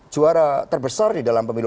juara terbesar di dalam pemilu